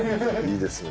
いいですね。